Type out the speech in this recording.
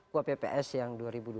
kuapps yang dua ribu dua puluh